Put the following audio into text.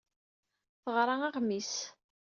Teɣra aɣmis.